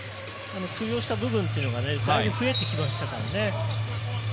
通用した部分がだいぶ増えてきましたからね。